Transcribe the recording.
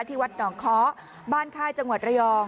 ที่วัดหนองคอบ้านคล้ายจังหวัด